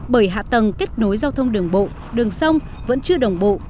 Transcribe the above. bởi hạ tầng kết nối giao thông đường bộ đường sông vẫn chưa đồng bộ